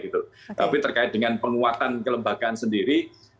tapi terkait dengan penguatan kelembagaan sendiri